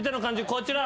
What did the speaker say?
こちら。